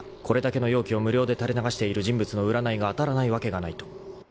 ［これだけの妖気を無料で垂れ流している人物の占いが当たらないわけがないと］